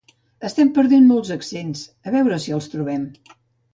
Estem perdent molts accents, a veure si els trobem